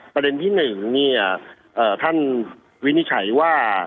ประเด็นที่๑ท่านวินิจฉัยว่า